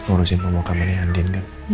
urusin pemukaman yang diandikan kan